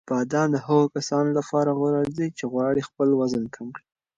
بادام د هغو کسانو لپاره غوره دي چې غواړي خپل وزن کم کړي.